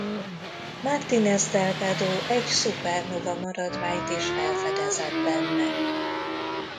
Martínez-Delgado egy szupernóva-maradványt is felfedezett benne.